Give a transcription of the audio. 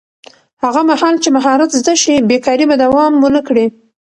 هغه مهال چې مهارت زده شي، بېکاري به دوام ونه کړي.